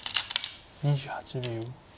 ２８秒。